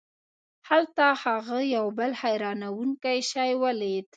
هلته هغه یو بل حیرانوونکی شی ولید.